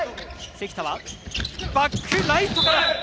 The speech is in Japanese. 関田はバックライトから！